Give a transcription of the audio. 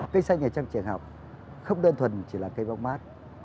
cây xanh ở trong trường học không đơn thuần chỉ là cây bóng mát